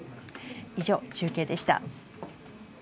以上、中継でした。